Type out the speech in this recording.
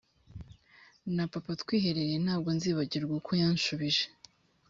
na papa twiherereye Ntabwo nzibagirwa uko yanshubije